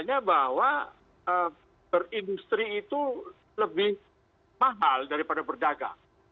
tanda bahwa industri itu lebih mahal daripada berdagang